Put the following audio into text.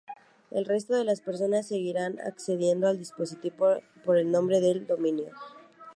El resto de las personas seguirán accediendo al dispositivo por el nombre de dominio.